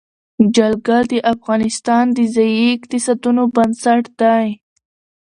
جلګه د افغانستان د ځایي اقتصادونو بنسټ دی.